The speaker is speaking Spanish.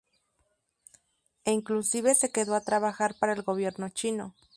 E inclusive se quedó a trabajar para el gobierno chino.